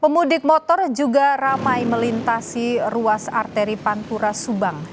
pemudik motor juga ramai melintasi ruas arteri pantura subang